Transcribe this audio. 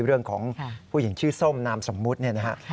เรื่องของผู้หญิงชื่อส้มนามสมมุติเนี่ยนะฮะ